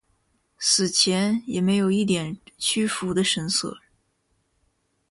死前也没有一点屈服的神色。